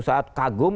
satu saat kagum